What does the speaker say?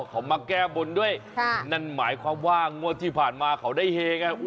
เขามาแก้บนด้วยนั่นหมายความว่างวดที่ผ่านมาเขาได้เฮไง